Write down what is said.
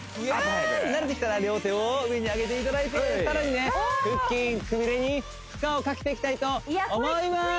慣れてきたら両手を上に上げていただいて更にね腹筋くびれに負荷をかけていきたいと思います